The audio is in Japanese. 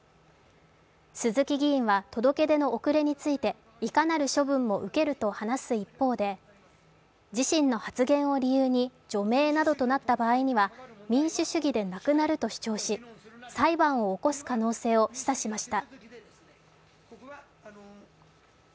鈴木議員は届け出の遅れについていかなる処分も受けると話す一方で、自身の発言を理由に除名などとなった場合には民主主義でなくなると主張し裁判を起こす可能性を示唆しました。